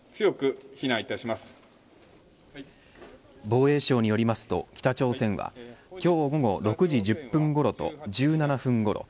防衛省によりますと北朝鮮は今日午後６時１０分ごろと１７分ごろ。